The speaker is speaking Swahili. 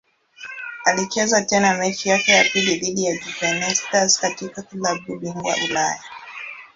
Alicheza tena mechi yake ya pili dhidi ya Juventus katika klabu bingwa Ulaya.